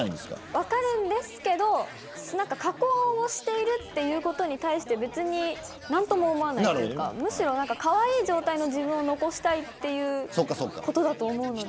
分かるんですけど加工しているということに対して別に何とも思わないというかむしろ、かわいい状態の自分を残したいということだと思うので。